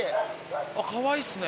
かわいいっすね。